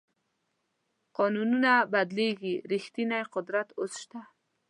قانونونه بدلېږي ریښتینی قدرت اوس شته.